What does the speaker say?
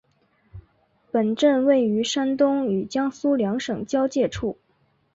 本镇位于山东与江苏两省交界处。